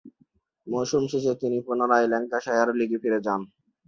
মৌসুম শেষে তিনি পুনরায় ল্যাঙ্কাশায়ার লীগে ফিরে যান।